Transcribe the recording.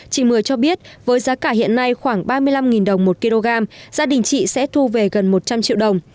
chị mười cho biết với giá cả hiện nay khoảng ba mươi năm đồng một kg gia đình chị sẽ thu về gần một trăm linh triệu đồng